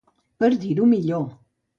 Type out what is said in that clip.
Per dir-ho millor.